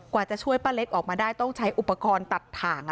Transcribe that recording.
กว่าจะช่วยป้าเล็กออกมาได้ต้องใช้อุปกรณ์ตัดถ่าง